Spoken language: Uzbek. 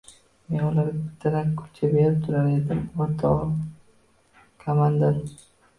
— Men ularga bittadan kulcha berib turar edim, o‘rtoq komandir.